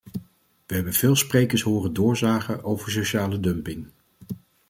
We hebben veel sprekers horen doorzagen over sociale dumping.